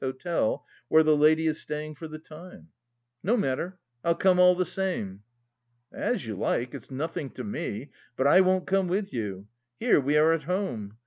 Hotel where the lady is staying for the time." "No matter, I'll come all the same." "As you like, it's nothing to me, but I won't come with you; here we are at home.